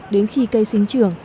đến khi cây sinh trưởng